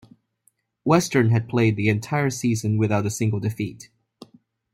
Western had played the entire season without a single defeat.